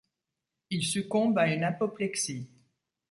Il succombe à une apoplexie.